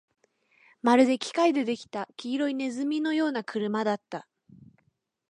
まるで機械で出来た黄色い鼠のような車だった